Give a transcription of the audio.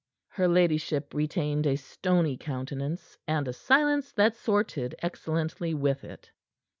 Her ladyship retained a stony countenance, and a silence that sorted excellently with it.